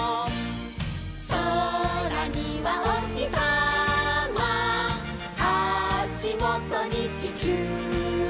「そらにはおひさま」「あしもとにちきゅう」